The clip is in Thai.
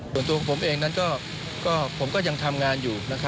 ส่วนตัวของผมเองนั้นผมก็ยังทำงานอยู่